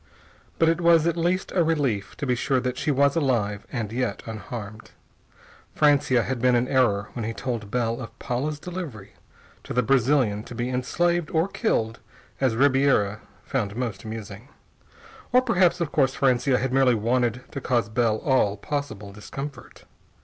But it was at least a relief to be sure that she was alive and yet unharmed. Francia had been in error when he told Bell of Paula's delivery to the Brazilian to be enslaved or killed as Ribiera found most amusing. Or perhaps, of course, Francia had merely wanted to cause Bell all possible discomfort.